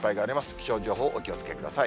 気象情報、お気をつけください。